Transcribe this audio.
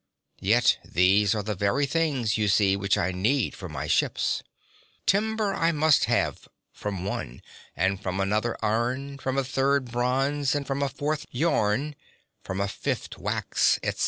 Yet these are the very things, you see, which I need for my ships. Timber I must have from one, and from another iron, from a third bronze, from a fourth linen yarn, from a fifth wax, etc.